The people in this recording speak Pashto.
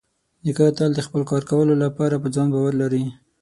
نیکه تل د خپل کار کولو لپاره په ځان باور لري.